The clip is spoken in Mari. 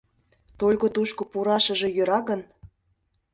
«Только тушко пурашыже йӧра гын?